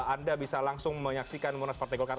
anda bisa langsung menyaksikan munas partai golkar